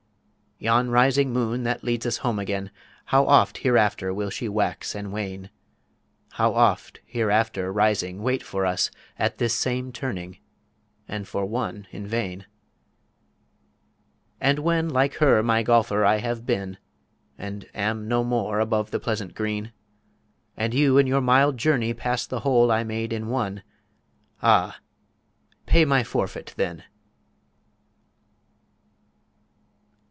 Yon rising Moon that leads us Home again, How oft hereafter will she wax and wane; How oft hereafter rising wait for us At this same Turning and for One in vain. And when, like her, my Golfer, I have been And am no more above the pleasant Green, And you in your mild Journey pass the Hole I made in One ah! pay my Forfeit then!